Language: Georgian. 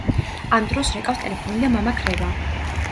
ამ დროს რეკავს ტელეფონი და მამა ქრება.